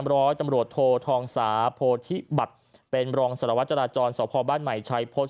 ร้อยตำรวจโททองสาโพธิบัตรเป็นรองสารวัตจราจรสพบ้านใหม่ชัยโพสต์